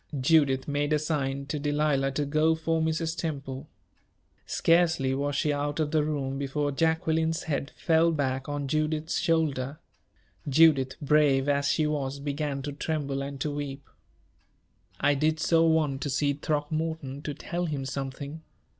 Judith made a sign to Delilah to go for Mrs. Temple. Scarcely was she out of the room, before Jacqueline's head fell back on Judith's shoulder. Judith, brave as she was, began to tremble and to weep. "I did so want to see Throckmorton, to tell him something.